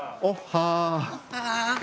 おっはー！